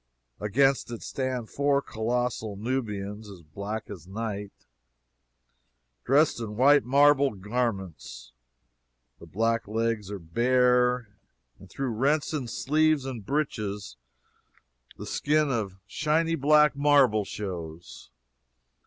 Against it stand four colossal Nubians, as black as night, dressed in white marble garments. The black legs are bare, and through rents in sleeves and breeches, the skin, of shiny black marble, shows.